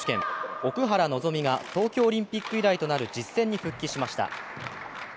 奥原希望が東京オリンピック以来となる実戦に復帰しました。